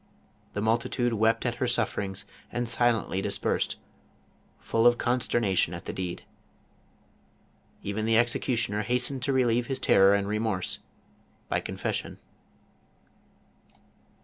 The multitude, wept at her sufferings, and silently dispersed, full of con sternation at the deed. Even the executioner hasten ed to relieve his terror and remorse by confession.